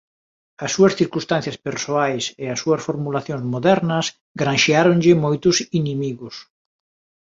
As súas circunstancias persoais e as súas formulacións modernas granxeáronlle moitos inimigos.